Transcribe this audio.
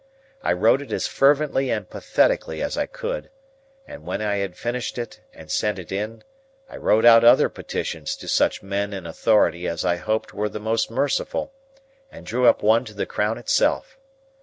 I wrote it as fervently and pathetically as I could; and when I had finished it and sent it in, I wrote out other petitions to such men in authority as I hoped were the most merciful, and drew up one to the Crown itself.